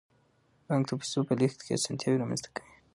بانک د پیسو په لیږد کې اسانتیاوې رامنځته کوي.